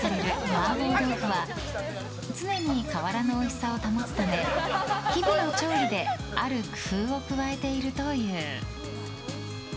麻婆豆腐は常に変わらぬおいしさを保つため日々の調理である工夫を加えているという。